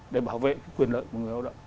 để bảo vệ quyền lợi của người lao động